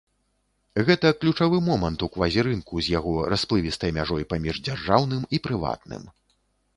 Гэта ключавы момант у квазірынку з яго расплывістай мяжой паміж дзяржаўным і прыватным.